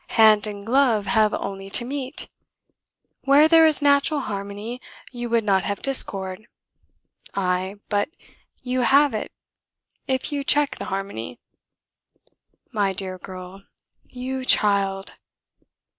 Hand and glove have only to meet. Where there is natural harmony you would not have discord. Ay, but you have it if you check the harmony. My dear girl! You child!"